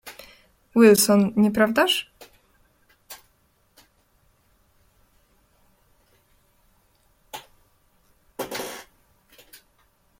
"Wilson, nie prawdaż?"